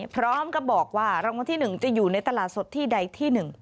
พร้อมกับบอกว่ารางวัลที่๑จะอยู่ในตลาดสดที่ใดที่๑